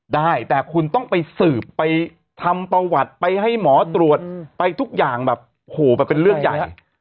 ได้แต่คุณต้องไปสืบไปทำประวัติไปให้หมอตรวจไปทุกอย่างแบบโหแบบเป็นเรื่องใหญ่